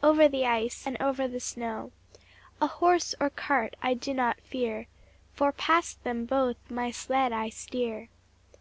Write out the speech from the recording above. Over the ice, and over the snow; A horse or cart I do not fear. For past them both my sled I steer.